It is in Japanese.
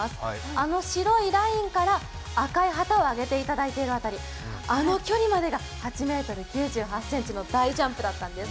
あの白いラインから赤い旗をあげていただいている辺り、あの距離まで８ｍ９８ｃｍの大ジャンプだったんです。